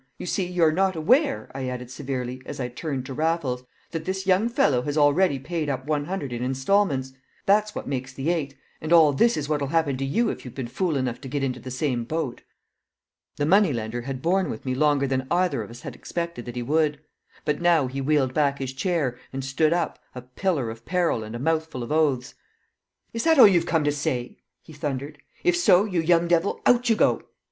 You see, you're not aware," I added severely, as I turned to Raffles, "that this young fellow has already paid up one hundred in instalments; that's what makes the eight; and all this is what'll happen to you if you've been fool enough to get into the same boat." The money lender had borne with me longer than either of us had expected that he would; but now he wheeled back his chair and stood up, a pillar of peril and a mouthful of oaths. "Is that all you've come to say?" he thundered. "If so, you young devil, out you go!"